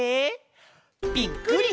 ぴっくり！